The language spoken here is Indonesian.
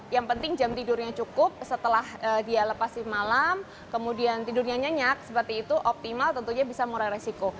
yang penting jam tidurnya cukup setelah dia lepas di malam kemudian tidurnya nyenyak seperti itu optimal tentunya bisa murah resiko